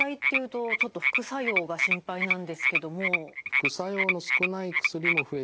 副作用の少ない薬も増えてきました。